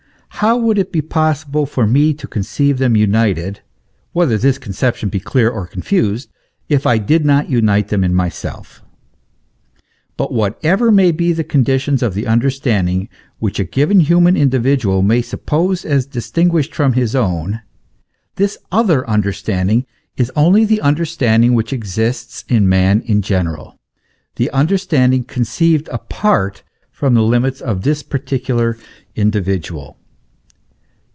How would it be possible for me to conceive them united whether this con ception be clear or confused if I did not unite them in myself? But whatever may be the conditions of the under standing which a given human individual may suppose as distinguished from his own, this other understanding is only the understanding which exists in man in general the under standing conceived apart from the limits of this particular indi vidual.